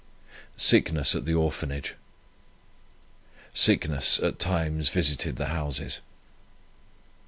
SICKNESS AT THE ORPHANAGE. Sickness at times visited the houses.